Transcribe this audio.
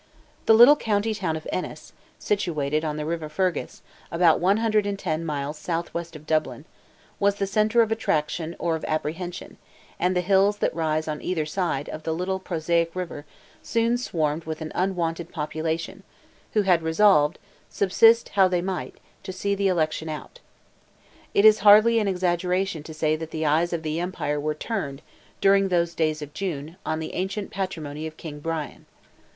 The little county town of Ennis, situated on the river Fergus, about 110 miles south west of Dublin, was the centre of attraction or of apprehension, and the hills that rise on either side of the little prosaic river soon swarmed with an unwonted population, who had resolved, subsist how they might, to see the election out. It is hardly an exaggeration to say that the eyes of the empire were turned, during those days of June, on the ancient patrimony of King Brian.